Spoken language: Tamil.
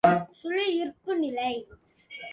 சுழி ஈர்ப்பு நிலை.